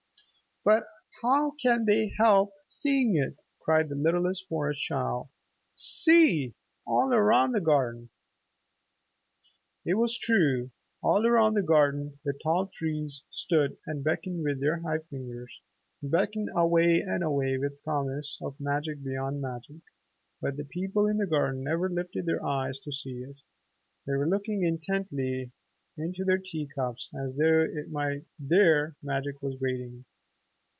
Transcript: "But how can they help seeing it?" cried the littlest Forest Child. "See, all around the garden!" It was true. All around the garden the tall trees stood and beckoned with their high fingers, beckoned away and away with promise of magic beyond magic. But the people in the garden never lifted their eyes to see it. They were looking intently into their tea cups as though it might be there magic was waiting.